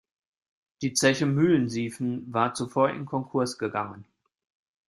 Die Zeche Müllensiefen war zuvor in Konkurs gegangen.